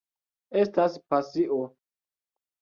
Estas pasio.